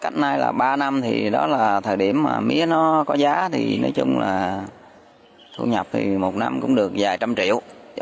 cách nay là ba năm thì đó là thời điểm mà mía nó có giá thì nói chung là thu nhập thì một năm cũng được vài trăm triệu